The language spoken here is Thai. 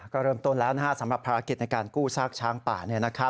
ก็เริ่มต้นแล้วสำหรับภารกิจในการกู้ซากช้างป่า